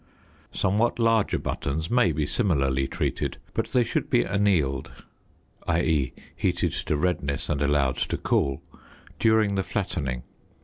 Somewhat larger buttons may be similarly treated, but they should be annealed (i.e. heated to redness and allowed to cool) during the flattening.